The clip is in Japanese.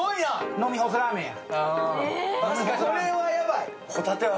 飲み干すラーメンや。